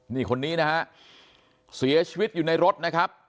นี่คนนี้นะฮะเสียชีวิตอยู่ในรถนะครับ